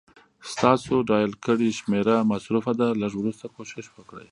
ستاسو ډائل کړې شمېره مصروفه ده، لږ وروسته کوشش وکړئ